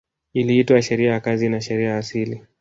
Iliitwa sheria ya kazi na sheria ya asili